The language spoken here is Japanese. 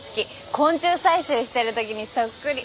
昆虫採集してるときにそっくり。